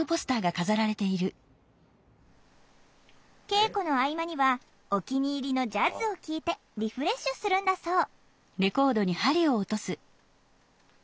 稽古の合間にはお気に入りのジャズを聴いてリフレッシュするんだそう。